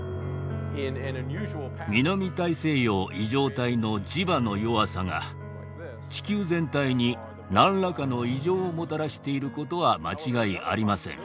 南大西洋異常帯の磁場の弱さが地球全体に何らかの異常をもたらしていることは間違いありません。